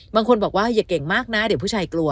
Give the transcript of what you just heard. บางคนบอกว่าอย่าเก่งมากนะเดี๋ยวผู้ชายกลัว